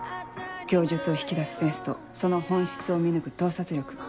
供述を引き出すセンスとその本質を見抜く洞察力。